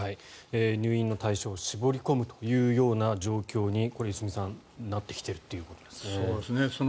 入院の対象を絞り込むというような状況に良純さん、なってきているということですね。